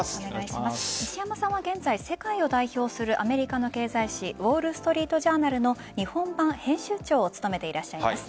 西山さんは現在世界を代表するアメリカの経済紙ウォール・ストリート・ジャーナルの日本版編集長を務めていらっしゃいます。